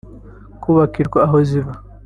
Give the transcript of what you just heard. kubakirwa aho ziba